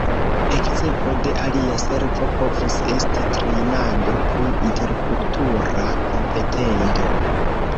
Ekzemplo de alia servo povus esti trejnado pri interkultura kompetento.